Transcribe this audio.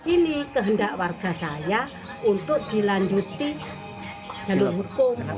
ini kehendak warga saya untuk dilanjuti jalur hukum